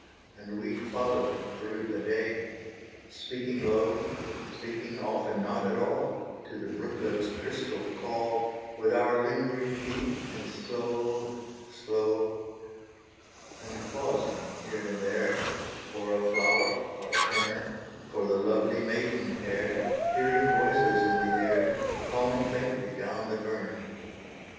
And we followed through the day: Speaking low Speaking often not at all To the brooklet's crystal call, With our lingering feet and slow Slow, and pausing here and there For a flower, or a fern, For the lovely maiden hair; Hearing voices in the air, Calling faintly down the burn.